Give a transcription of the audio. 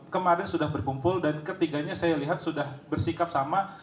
kemarin sudah berkumpul dan ketiganya saya lihat sudah bersikap sama